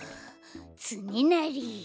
つねなり。